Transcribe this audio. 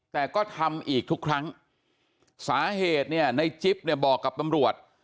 แต่ก็ทำอีกทุกครั้งสาเหตุในจิปบอกกับนำรวจ